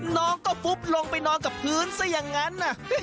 น้องก็ฟุบลงไปนอนกับพื้นซะอย่างนั้น